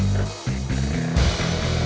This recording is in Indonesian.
jepat ke jauh